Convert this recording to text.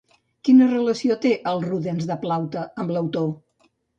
Quina relació té el Rudens de Plaute amb l'autor?